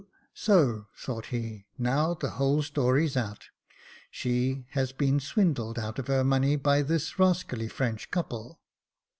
So, thought he, now the whole story's out ; she has been swindled out of her money by this rascally French couple.